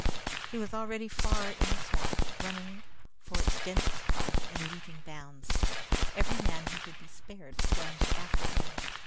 He was already far in the swamp, running for its densest part in leaping bounds. Every man who could be spared plunged after him.